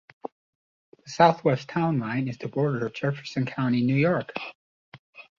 The southwest town line is the border of Jefferson County, New York.